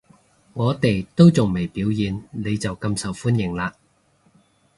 我哋都仲未表演，你就咁受歡迎喇